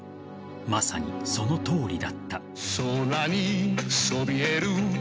まさにそのとおりだった。